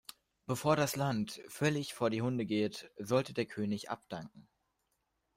Bevor das Land völlig vor die Hunde geht, sollte der König abdanken.